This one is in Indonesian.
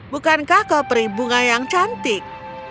bukankah kau perih bunga yang cantik